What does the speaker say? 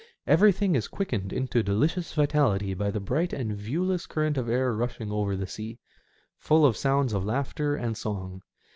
Every thing is quickened into delicious vitality by the bright and viewless current of air rushing over the sea, full of sounds of laughter and song.